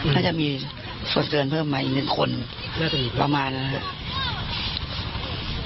น่าจะมีส่วนเกินเพิ่มมาอีกหนึ่งคนน่าจะมีประมาณนั้นครับ